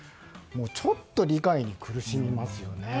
ちょっと理解に苦しみますよね。